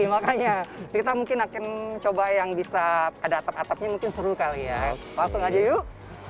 makanya kita mungkin akan coba yang bisa ada atap atapnya mungkin seru kali ya langsung aja yuk